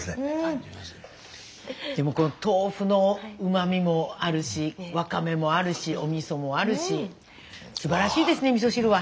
でも豆腐のうま味もあるしわかめもあるしおみそもあるしすばらしいですねみそ汁は。